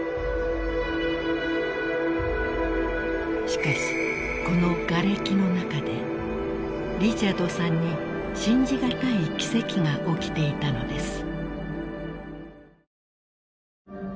［しかしこのがれきの中でリチャードさんに信じがたい奇跡が起きていたのです］